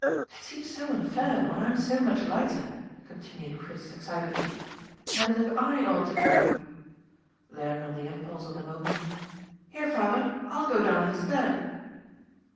"It seems so unfair when I'm so much lighter," continued Chris excitedly, "and as if I ought to go." Then on the impulse of the moment, "Here, father, I'll go down instead."